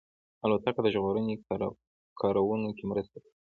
الوتکه د ژغورنې کارونو کې مرسته کوي.